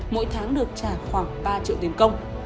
mỗi tháng được trả khoảng ba triệu tiền công